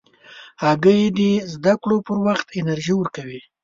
هګۍ د زده کړو پر وخت انرژي ورکوي.